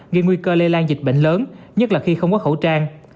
gây nguy cơ lây lan dịch bệnh lớn nhất là khi không có khẩu trang